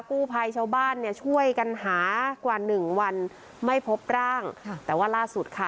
กู้ภัยชาวบ้านเนี่ยช่วยกันหากว่าหนึ่งวันไม่พบร่างค่ะแต่ว่าล่าสุดค่ะ